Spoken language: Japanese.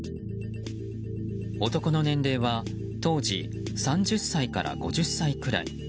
男の年齢は当時３０歳から５０歳くらい。